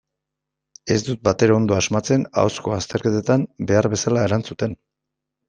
Ez dut batere ondo asmatzen ahozko azterketetan behar bezala erantzuten.